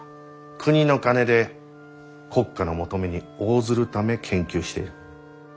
国の金で国家の求めに応ずるため研究している。